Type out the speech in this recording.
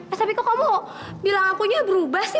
eh tapi kok kamu bilang akunya berubah sih